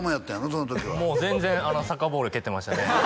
その時はもう全然サッカーボール蹴ってましたね